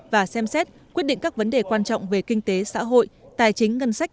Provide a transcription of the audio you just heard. và xem xét quyết định các vấn đề quan trọng về kinh tế xã hội tài chính ngân sách